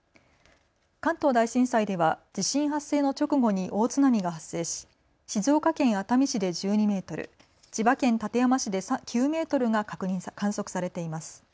関東大震災では地震発生の直後に大津波が発生し静岡県熱海市で１２メートル、千葉県館山市で９メートルが観測されています。